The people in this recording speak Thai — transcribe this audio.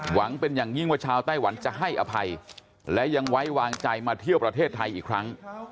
หวังเป็นอย่างยิ่งว่าชาวไต้หวันจะให้อภัยและยังไว้วางใจมาเที่ยวประเทศไทยอีกครั้ง